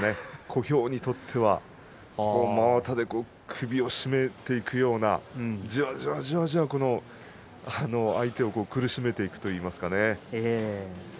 小兵にとっては真綿で首を絞めていくようなじわじわじわじわ相手を苦しめていくといいますかね。